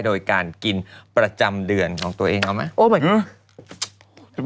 โดยการกินประจำเดือนของตัวเองเอาไหม